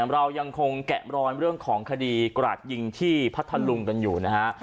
เรายังคงแกะรอยเรื่องของคดีกราดยิงที่พัทธลุงกันอยู่นะฮะ